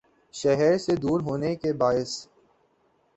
شہر سے دور ہونے کے باعث